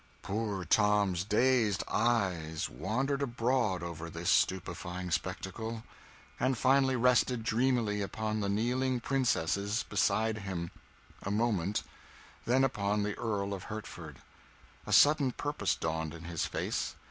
Poor Tom's dazed eyes wandered abroad over this stupefying spectacle, and finally rested dreamily upon the kneeling princesses beside him, a moment, then upon the Earl of Hertford. A sudden purpose dawned in his face.